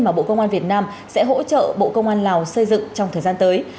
mà bộ công an việt nam sẽ hỗ trợ bộ công an lào xây dựng trong thời gian tới